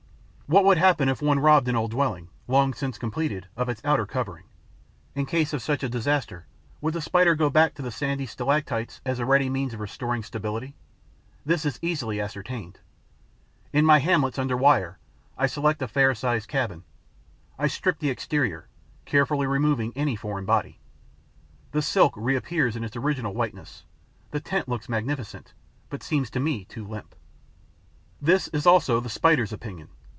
What would happen if one robbed an old dwelling, long since completed, of its outer covering? In case of such a disaster, would the Spider go back to the sandy stalactites, as a ready means of restoring stability? This is easily ascertained. In my hamlets under wire, I select a fair sized cabin. I strip the exterior, carefully removing any foreign body. The silk reappears in its original whiteness. The tent looks magnificent, but seems to me too limp. This is also the Spider's opinion.